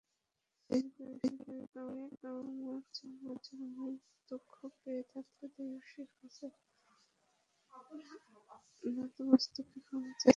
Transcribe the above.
দেশবাসী আমার কোনো আচরণে দুঃখ পেয়ে থাকলে দেশবাসীর কাছে নতমস্তকে ক্ষমা চাচ্ছি।